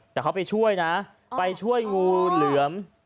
แต่เขาไปช่วยนะไปช่วยงูเหลือม